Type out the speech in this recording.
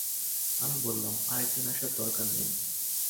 আমি বললাম, আরেক দিন আসার দরকার নেই।